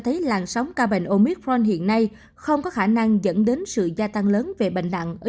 thấy làn sóng ca bệnh omicron hiện nay không có khả năng dẫn đến sự gia tăng lớn về bệnh nặng ở